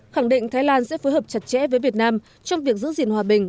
khẳng định thái lan sẽ phối hợp chặt chẽ với việt nam trong việc giữ gìn hòa bình